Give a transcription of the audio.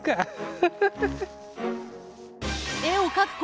フフフフ。